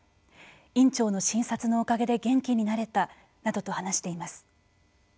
院長の診察のおかげで元気になれたなどと話しています。